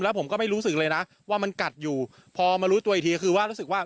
แล้วผมก็ไม่รู้สึกเลยนะว่ามันกัดอยู่พอมารู้ตัวอีกทีก็คือว่ารู้สึกว่า